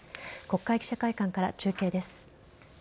国会記者会見から中継です。